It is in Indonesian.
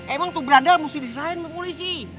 emang tuh berada harus diserahin sama polisi